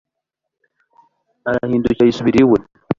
arahindukira yisubirira iwe